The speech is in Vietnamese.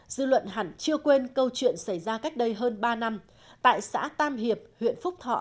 dư luận hẳn chưa quên câu chuyện xảy ra cách đây hơn ba năm tại xã tam hiệp huyện phúc thọ